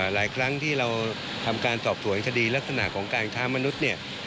หลายครั้งที่เราทำการสอบสวงผู้หญิกษณีย์ลักษณะของการท้ามนุษย์